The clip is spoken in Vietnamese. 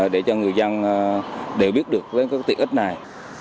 để cho người dân đều biết được về các tiện ích này